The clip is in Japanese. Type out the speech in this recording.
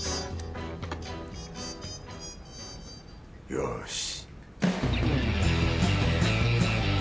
よし